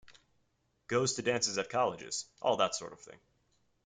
Goes to dances at colleges — all that sort of thing.